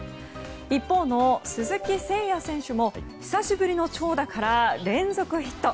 一方の鈴木誠也選手も久しぶりの長打から連続ヒット。